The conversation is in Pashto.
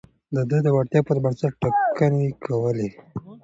ده د وړتيا پر بنسټ ټاکنې کولې.